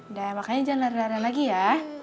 nah makanya jangan lari larian lagi ya